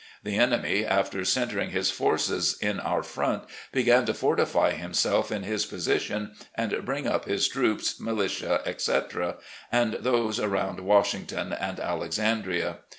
The enemy, after centering his forces in our front, began to fortify himself in his position and bring up his troops, militia, etc. — and those around Wash ington and Alexandria.